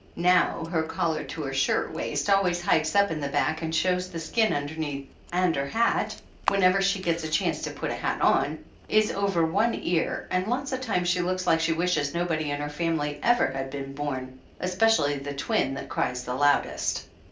Now her collar to her shirtwaist always hikes up in the back and shows the skin under neath and her hat (whenever she gets a chance to put on a hat) is over one ear, and lots of times she looks like she wishes nobody in her family ever had been born, especially the twin that cries the loudest.